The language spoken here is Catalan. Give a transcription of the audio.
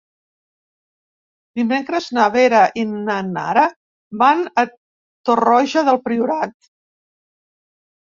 Dimecres na Vera i na Nara van a Torroja del Priorat.